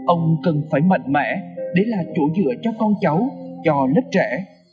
ông cần phải mạnh mẽ để là chỗ dựa cho con cháu cho lớp trẻ